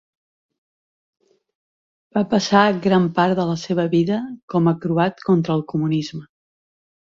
Va passar gran part de la seva vida com a croat contra el comunisme.